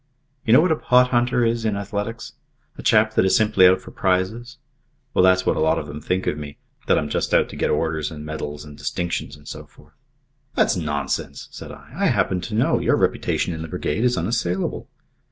"You know what a pot hunter is in athletics? A chap that is simply out for prizes? Well, that's what a lot of them think of me. That I'm just out to get orders and medals and distinctions and so forth." "That's nonsense," said I. "I happen to know. Your reputation in the brigade is unassailable."